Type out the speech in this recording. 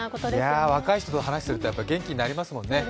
いやぁ、若い人と話をすると元気になりますもんね。